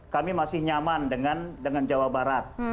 kami masih nyaman dengan jawa barat